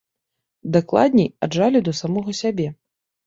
Дакладней, ад жалю да самога сябе.